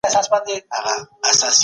حکومتونه ولي د ماشومانو حقونه پلي کوي؟